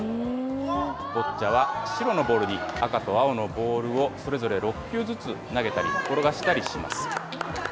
ボッチャは白のボールに、赤と青のボールをそれぞれ６球ずつ投げたり転がしたりします。